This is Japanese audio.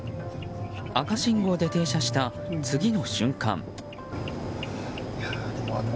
赤信号で停車した次の瞬間。